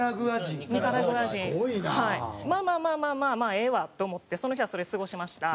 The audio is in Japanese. まあまあまあまあええわって思ってその日はそれ過ごしました。